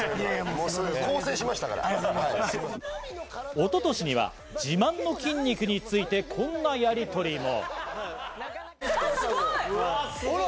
一昨年には自慢の筋肉について、こんなやりとりも。